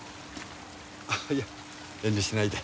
いや遠慮しないで。